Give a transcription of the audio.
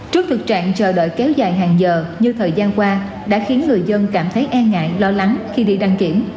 trước thực trạng chờ đợi kéo dài hàng giờ như thời gian qua đã khiến người dân cảm thấy e ngại lo lắng khi đi đăng kiểm